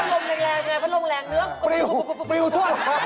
ไม่ใช่กระดาษซักมันนะครับเป็นหมูผมเองครับ